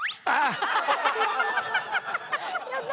やった！